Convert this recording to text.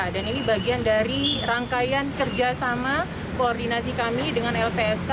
dan ini bagian dari rangkaian kerjasama koordinasi kami dengan lpsk